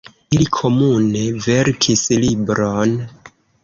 Ili komune verkis libron.